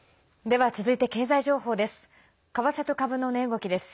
では続いて経済情報です。